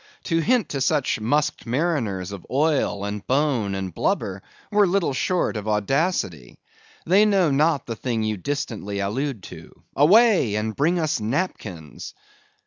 To hint to such musked mariners of oil, and bone, and blubber, were little short of audacity. They know not the thing you distantly allude to. Away, and bring us napkins!